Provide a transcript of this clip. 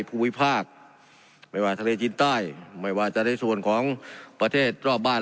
ภูมิภาคไม่ว่าทะเลจีนใต้ไม่ว่าจะในส่วนของประเทศรอบบ้าน